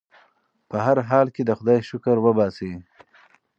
په هر حال کې د خدای شکر وباسئ.